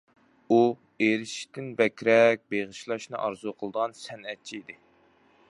ئۇ ئېرىشىشتىن بەكرەك بېغىشلاشنى ئارزۇ قىلىدىغان سەنئەتچى ئىدى.